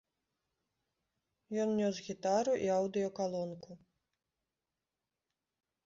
Ён нёс гітару і аўдыёкалонку.